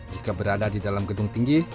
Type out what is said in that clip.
jika berada di dalam gedung tinggi